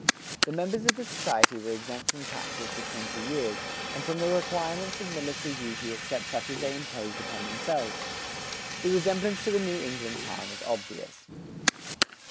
The members of the society were exempt from taxes for twenty years, and from the requirements of military duty except such as they imposed upon themselves. The resemblance to the New England town is obvious.